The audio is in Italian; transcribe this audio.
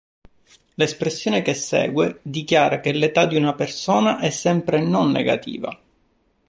L'espressione che segue dichiara che l'età di una persona è sempre non negativa.